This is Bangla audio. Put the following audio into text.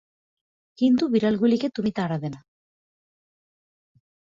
কিন্তু বিড়ালগুলিকে তুমি তাড়াবে না।